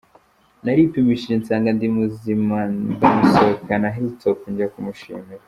naripimishije nsanga ndi muzima ndamusohokana Hilltop njya kumushimira.